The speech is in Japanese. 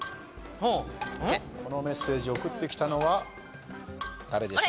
このメッセージを送ってきたのは誰でしょうか？